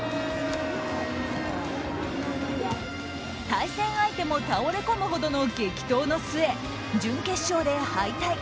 対戦相手も倒れ込むほどの激闘の末、準決勝で敗退。